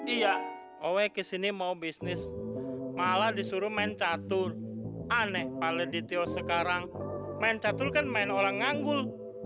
iya owe ke sini mau bisnis malah disuruh main catul aneh pak ladityo sekarang main catul kan main orang nganggul